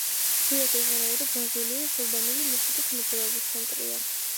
რიო-დე-ჟანეირო ბრაზილიის ურბანული მუსიკის მოძრაობის ცენტრია.